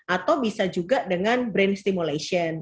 atau bisa juga dengan brain stimulation